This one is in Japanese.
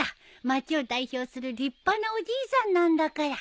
町を代表する立派なおじいさんなんだから。